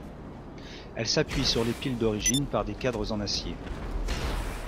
Elle s'appuie sur les piles d’origine par des cadres en acier.